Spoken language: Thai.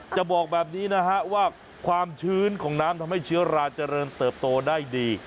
จะบอกแบบนี้นะฮะว่าความชื้นของน้ำทำให้เชื้อราเจริญเติบโตได้ดี